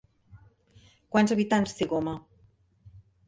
Quants habitants té Goma?